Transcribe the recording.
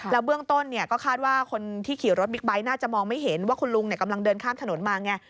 เบื้องต้นก็คาดว่าคนที่ขี่รถบิ๊กไบท์น่าจะมองไม่เห็นว่าคุณลุงกำลังเดินข้ามถนนมาไง